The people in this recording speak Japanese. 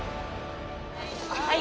はい！